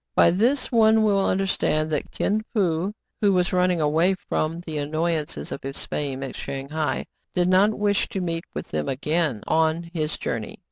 By this one will understand that Kin Fo, who was running away from the annoyances of his fame at Shang hai, did not wish to meet with them again on his journey.